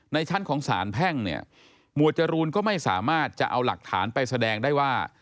ชั้นของสารแพ่งเนี่ยหมวดจรูนก็ไม่สามารถจะเอาหลักฐานไปแสดงได้ว่า